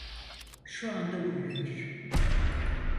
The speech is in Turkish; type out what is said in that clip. Şu anda uyuyor.